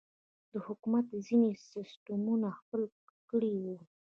د حکومت ځينې سسټمونه خپل کړي وو.